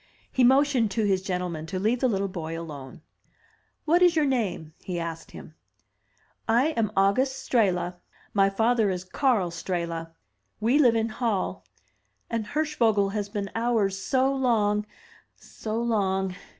He motioned to his gentlemen to leave the little boy alone. "What is your name?*' he asked him. "I am August Strehla. My father is Karl Strehla. We live in Hall; and Hirschvogel has been ours so long, — so long!'